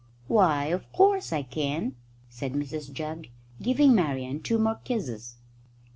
"Why, of course I can," said Mrs Jugg, giving Marian two more kisses.